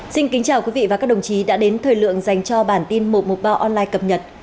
xin kính chào quý vị và các đồng chí đã đến thời lượng dành cho bản tin một trăm một mươi ba online cập nhật